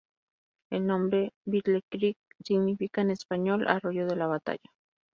El nombre "Battle Creek" significa en español "arroyo de la batalla".